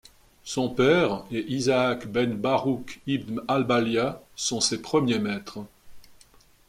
Son père et Isaac ben Baroukh ibn Albalia sont ses premiers maîtres.